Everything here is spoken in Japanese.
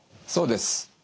そうです。